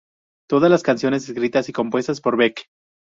Todas las canciones escritas y compuestas por Beck.